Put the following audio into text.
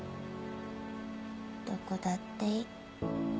どこだっていい。